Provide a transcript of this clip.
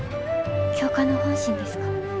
教官の本心ですか？